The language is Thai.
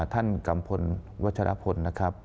ท่านกัมพลวัชรพล